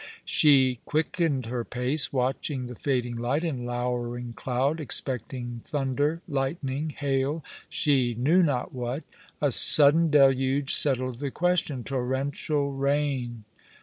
She quickened her pace, watching the fading light and lowering cloud, expecting thunder, lightning, hail, she knew not what. A sudden deluge settled the question. Torrential rain!